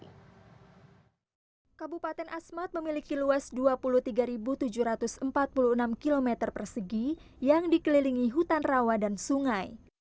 kabupaten asmat memiliki luas dua puluh tiga tujuh ratus empat puluh enam km persegi yang dikelilingi hutan rawa dan sungai